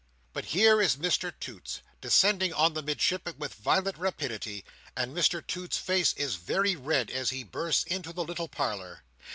But here is Mr Toots descending on the Midshipman with violent rapidity, and Mr Toots's face is very red as he bursts into the little parlour.